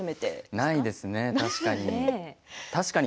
ないですね、確かに。